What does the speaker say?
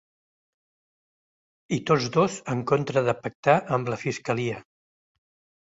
I tots dos en contra de pactar amb la fiscalia.